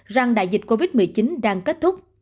rằng đại dịch covid một mươi chín đang kết thúc